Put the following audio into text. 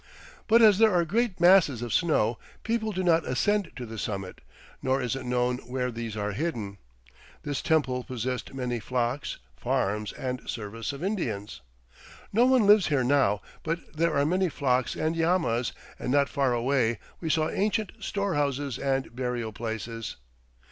But as there are great masses of snow, people do not ascend to the summit, nor is it known where these are hidden. This temple possessed many flocks, farms, and service of Indians." No one lives here now, but there are many flocks and llamas, and not far away we saw ancient storehouses and burial places.